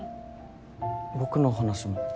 僕の話も？